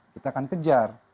kita akan kejar